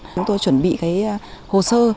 chúng tôi chuẩn bị hồ sơ